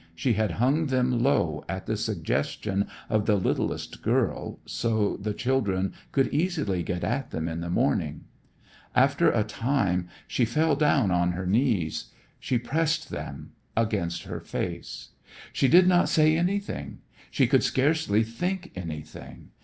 She had hung them low at the suggestion of the littlest girl so the children could easily get at them in the morning. [Illustration: She pressed them against her face.] After a time she fell down on her knees. She pressed them against her face. She did not say anything. She could scarcely think anything.